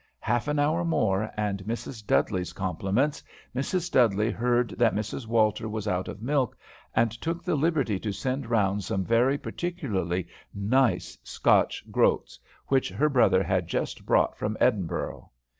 Half an hour more and Mrs. Dudley's compliments. "Mrs. Dudley heard that Mrs. Walter was out of milk, and took the liberty to send round some very particularly nice Scotch groats, which her brother had just brought from Edinburgh."